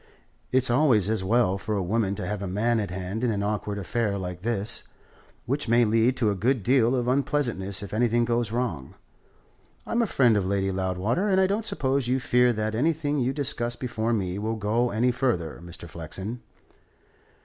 "It's always as well for a woman to have a man at hand in an awkward affair like this, which may lead to a good deal of unpleasantness if anything goes wrong. I'm a friend of Lady Loudwater, and I don't suppose you fear that anything you discuss before me will go any further, Mr. Flexen."